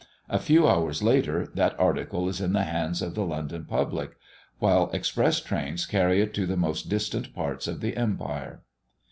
A few hours later that article is in the hands of the London public, while express trains hurry it to the most distant parts of the empire.